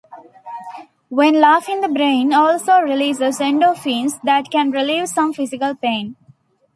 When laughing the brain also releases endorphins that can relieve some physical pain.